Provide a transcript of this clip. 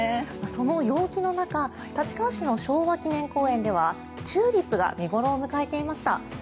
その陽気の中立川市の昭和記念公園でチューリップが見頃を迎えていました。